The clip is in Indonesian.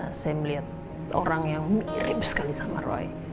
saya melihat orang yang mirip sekali sama rai